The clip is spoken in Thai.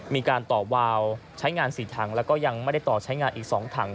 มีการต่อวาวใช้งาน๔ถังแล้วก็ยังไม่ได้ต่อใช้งานอีก๒ถัง